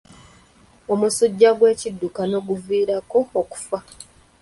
Omusujja gw'ekiddukano guviirako okufa.